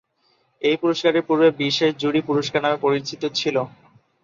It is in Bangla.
এই পুরস্কারটি পূর্বে বিশেষ জুরি পুরস্কার নামে পরিচিত ছিল।